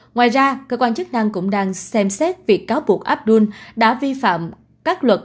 ngoài ra cơ quan chức năng cũng đang xem xét việc cáo buộc abdul đã vi phạm các luật